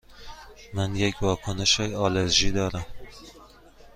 من یک واکنش آلرژی دارم.